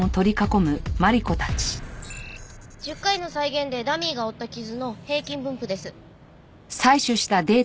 １０回の再現でダミーが負った傷の平均分布です。